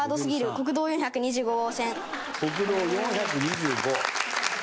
国道４２５号